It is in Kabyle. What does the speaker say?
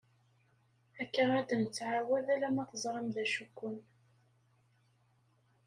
Akka ara d-nettɛawad alamma teẓram d acu-kum.